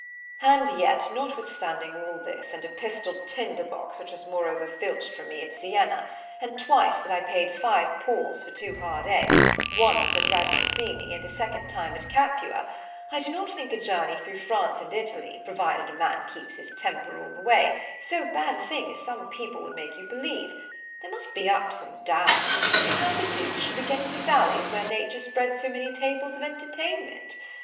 _ And yet, notwithstanding all this, and a pistol tinder box which was moreover filch'd from me at Sienna, and twice that I pay'd five Pauls for two hard eggs, once at Raddicoffini, and a second time at Capua—I do not think a journey through France and Italy, provided a man keeps his temper all the way, so bad a thing as some people would make you believe: there must be ups and downs, or how the duce should we get into vallies where Nature spreads so many tables of entertainment.